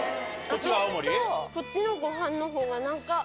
こっちのご飯のほうが何か。